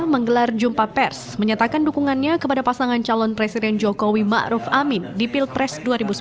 menggelar jumpa pers menyatakan dukungannya kepada pasangan calon presiden jokowi ⁇ maruf ⁇ amin di pilpres dua ribu sembilan belas